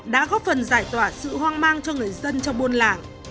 đã góp phần giải tỏa sự hoang mang cho người dân trong buôn làng